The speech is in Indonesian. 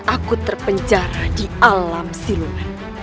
aku terpenjara di alam siluman